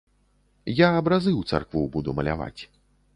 Я абразы ў царкву буду маляваць.